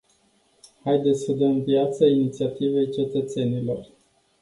Haideți să dăm viață inițiativei cetățenilor.